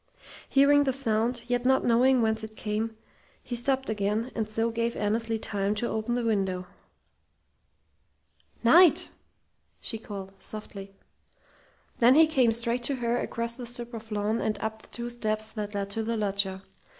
Hearing the sound, yet not knowing whence it came, he stopped again, and so gave Annesley time to open the window. "Knight!" she called, softly. Then he came straight to her across the strip of lawn and up the two steps that led to the loggia.